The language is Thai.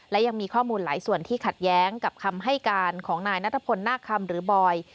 และยังมีข้อมูลหลายส่วนที่ขัดแย้งกับคำให้การของนายนัทพลนาคคำหรือบอย